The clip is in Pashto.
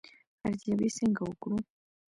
ارزیابي څنګه وکړو؟